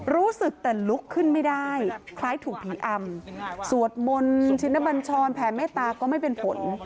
รู้สึกแต่ลุกขึ้นไม่ได้คล้ายถูกผีอำสวดมนต์ชินบัญชรแผ่เมตตาก็ไม่เป็นผล